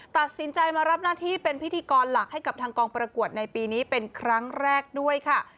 ตัดสินใจมารับหน้าที่เป็นพิธีกรหลักให้กับทางกองประกวดในปีนี้เป็นครั้งแรกด้วยค่ะ